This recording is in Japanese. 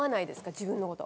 自分のこと。